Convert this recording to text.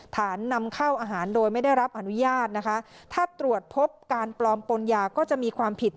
นำเข้าอาหารโดยไม่ได้รับอนุญาตนะคะถ้าตรวจพบการปลอมปนยาก็จะมีความผิด